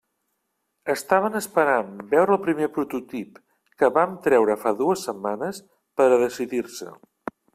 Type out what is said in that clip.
Estaven esperant veure el primer prototip, que vam treure fa dues setmanes, per a decidir-se.